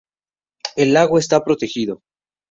El lago está protegido.